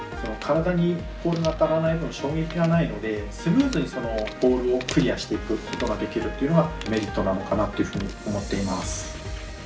体にポールが当たらない分衝撃がないのでスムーズにポールをクリアしていくことができるっていうのがメリットなのかなっていうふうに思っています。